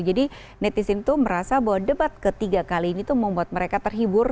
jadi netizen itu merasa bahwa debat ketiga kali ini itu membuat mereka terhibur